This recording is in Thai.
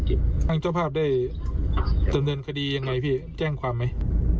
ทางเจ้าภาพได้ดำเนินคดียังไงพี่แจ้งความไหม